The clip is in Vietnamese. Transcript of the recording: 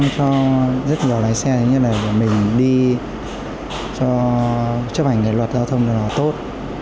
cho rất nhiều lái xe như là mình đi cho chấp ảnh luật giao thông là tốt